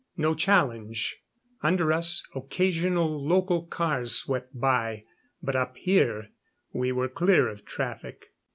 No challenge. Under us, occasional local cars swept by; but up here we were clear of traffic.